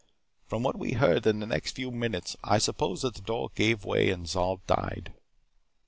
From what we heard in the next few minutes, I suppose that the door gave way and Zol died.